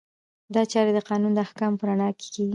دا چارې د قانون د احکامو په رڼا کې کیږي.